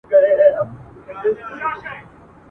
په خپل حسن وه مغروره خانتما وه !.